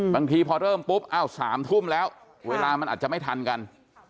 บางทีพอเริ่มปุ๊บอ้าว๓ทุ่มแล้วเวลามันอาจจะไม่ทันกัน